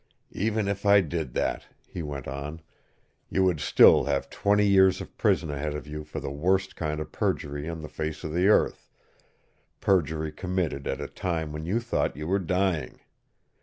"Even if I did that," he went on, "you would still have twenty years of prison ahead of you for the worst kind of perjury on the face of the earth, perjury committed at a time when you thought you were dying!